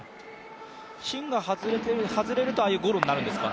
芯が外れると、ああいうゴロになるんですか？